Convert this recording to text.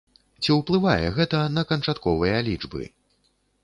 Ці ўплывае гэта на канчатковыя лічбы?